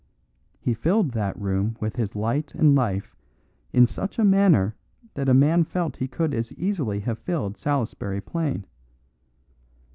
He filled that room with his light and life in such a manner that a man felt he could as easily have filled Salisbury Plain.